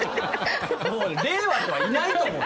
令和ではいないと思う。